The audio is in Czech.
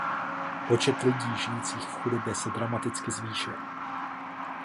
Počet lidí žijících v chudobě se dramaticky zvýšil.